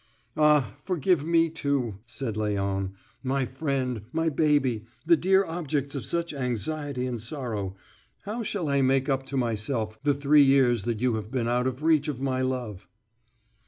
"Ah, forgive me, too!" said Léon. "My friend, my baby, the dear objects of such anxiety and sorrow, how shall I make up to myself the three years that you have been out of reach of my love!"